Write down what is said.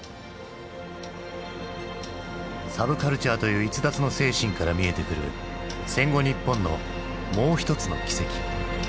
サブカルチャーという逸脱の精神から見えてくる戦後日本のもう一つの軌跡。